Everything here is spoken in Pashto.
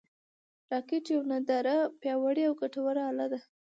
راکټ یوه نادره، پیاوړې او ګټوره اله ده